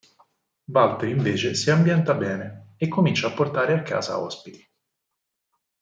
Walter invece si ambienta bene e comincia a portare a casa ospiti.